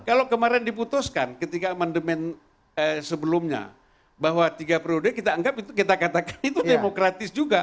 kalau kemarin diputuskan ketika amandemen sebelumnya bahwa tiga periode kita anggap itu kita katakan itu demokratis juga